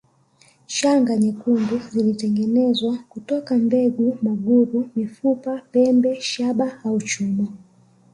Shanga nyekundu zilitengenezwa kutoka mbegu maburu mifupa pembe shaba au chuma